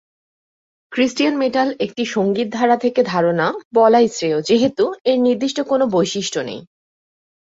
Cristian metal একটি সঙ্গীত ধারা থেকে ধারণা বলাই শ্রেয় যেহেতু এর নির্দিষ্ট কোন বৈশিষ্ট্য নেই।